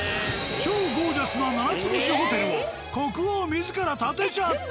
超ゴージャスな７つ星ホテルを国王自ら建てちゃった！？